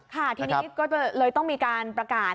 ค่ะทีนี้ก็เลยต้องมีการประกาศ